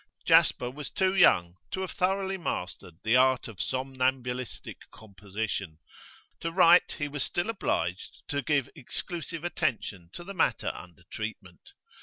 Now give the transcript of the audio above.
Jasper was too young to have thoroughly mastered the art of somnambulistic composition; to write, he was still obliged to give exclusive attention to the matter under treatment.